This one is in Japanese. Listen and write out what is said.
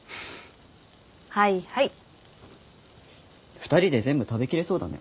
２人で全部食べきれそうだね。